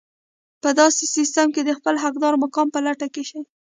په داسې سيستم کې د خپل حقدار مقام په لټه کې شئ.